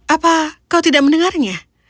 apa kau tidak mendengarnya